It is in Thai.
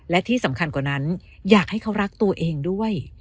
และที่สำคัญกว่านั้นอยากให้เขารักตัวเองด้วย